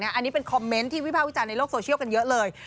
อันนี้เป็นคอมเมนต์ที่วิภาควิจารณ์ในโลกโซเชียลกันเยอะเลย